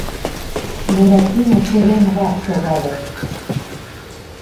Буратино сыренрак шогале: